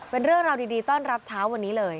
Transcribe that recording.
เป็นเรื่องราวดีต้อนรับเช้าวันนี้เลย